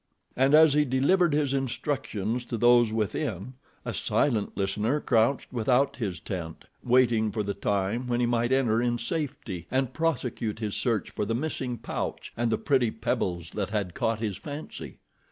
And as he delivered his instructions to those within, a silent listener crouched without his tent, waiting for the time when he might enter in safety and prosecute his search for the missing pouch and the pretty pebbles that had caught his fancy.